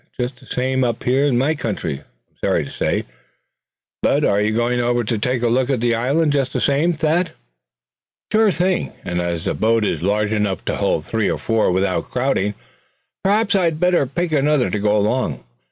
"It's just the same up in my country, I'm sorry to say. But are you going over to take a look at that island just the same, Thad?" "Sure thing; and as the boat is large enough, to hold three or four without crowding, perhaps I'd better pick another to go along.